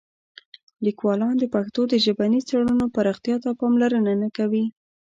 لیکوالان د پښتو د ژبني څېړنو پراختیا ته پاملرنه نه کوي.